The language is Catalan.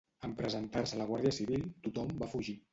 En presentar-se la guàrdia civil, tothom va fugir.